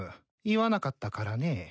言わなかったからね。